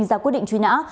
ra quyết định truy nã